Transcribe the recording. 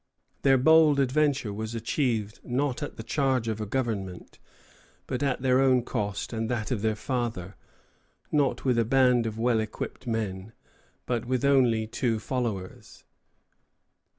Their bold adventure was achieved, not at the charge of a government, but at their own cost and that of their father, not with a band of well equipped men, but with only two followers.